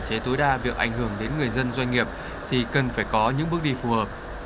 chế tối đa việc ảnh hưởng đến người dân doanh nghiệp thì cần phải có những bước đi phù hợp